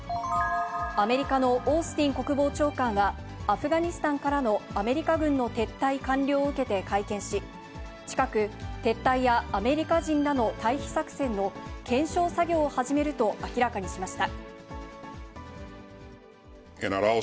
アメリカのオースティン国防長官は、アフガニスタンからのアメリカ軍の撤退完了を受けて会見し、近く、撤退やアメリカ人らの退避作戦の検証作業を始めると明らかにしました。